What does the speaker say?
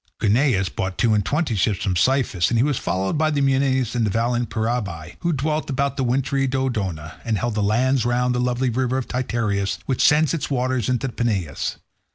Guneus brought two and twenty ships from Cyphus, and he was followed by the Enienes and the valiant Peraebi, who dwelt about wintry Dodona, and held the lands round the lovely river Titaresius, which sends its waters into the Peneus.